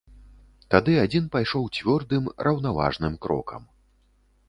Тады адзін пайшоў цвёрдым, раўнаважным крокам.